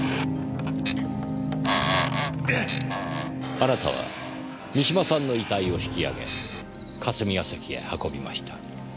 あなたは三島さんの遺体を引き上げ霞ヶ関へ運びました。